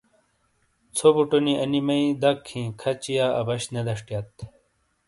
ژھو بُٹو نی انی میئی دَک ہِیں کھچی یا عبش نے دشٹیات۔